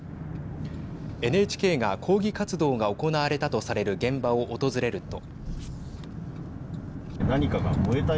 ＮＨＫが抗議活動が行われたとされる現場を訪れると。